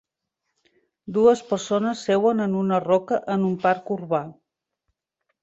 Dues persones seuen en una roca en un parc urbà.